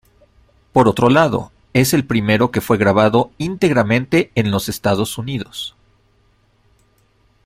Por otro lado, es el primero que fue grabado íntegramente en los Estados Unidos.